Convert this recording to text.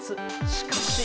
しかし。